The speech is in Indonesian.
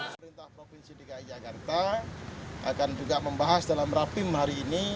pemerintah provinsi dki jakarta akan juga membahas dalam rapim hari ini